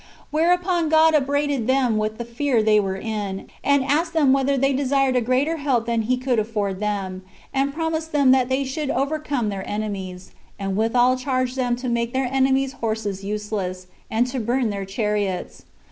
Whereupon God upbraided them with the fear they were in, and asked them whether they desired a greater help than he could afford them; and promised them that they should overcome their enemies; and withal charged them to make their enemies' horses useless, and to burn their chariots.